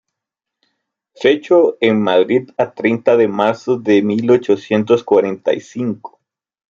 Fecho en Madrid a treinta de marzo de mil ochocientos cuarenta y cinco.